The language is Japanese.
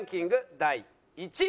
第１位は。